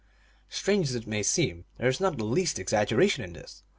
1 Strange as it may seem, there is not the least exaggeration in this.